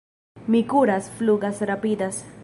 Mi kuras, flugas, rapidas!